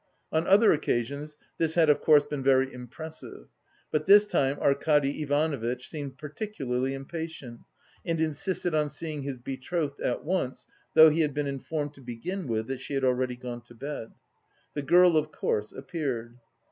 On other occasions this had of course been very impressive, but this time Arkady Ivanovitch seemed particularly impatient, and insisted on seeing his betrothed at once, though he had been informed, to begin with, that she had already gone to bed. The girl of course appeared.